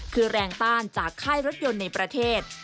คือแรงต้านจากค่ายรถยนต์ในประเทศ